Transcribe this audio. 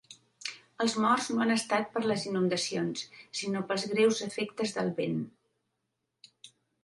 Els morts no han estat per les inundacions sinó pels greus efectes del vent.